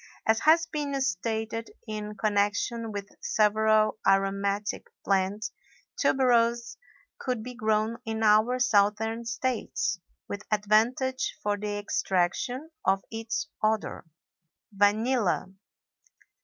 As has been stated in connection with several aromatic plants, tuberose could be grown in our southern States with advantage for the extraction of its odor. VANILLA.